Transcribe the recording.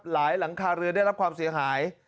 หลังคาเรือนได้รับความเสียหาย